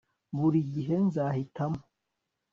buri gihe nzahitamo